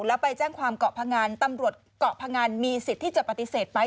แล้วไปแจ้งความเกาะพงันตำรวจเกาะพงันมีสิทธิ์ที่จะปฏิเสธไหม